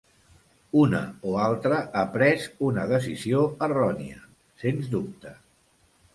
Una o altra ha pres una decisió errònia, sens dubte.